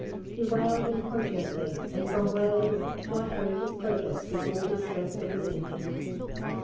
He wailed incontinently and from wailing took to uttering his protest with all the strength that was in him.